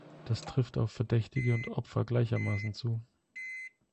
Das trifft auf Verdächtige und Opfer gleichermaßen zu.